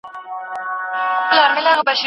زرغون زما لاس كي ټيكرى دئ